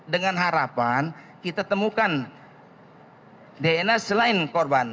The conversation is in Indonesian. dengan harapan kita temukan dna selain korban